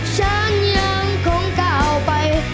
ฉันยังคงก้าวไป